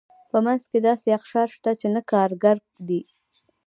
په منځ کې داسې اقشار شته چې نه کارګر دي.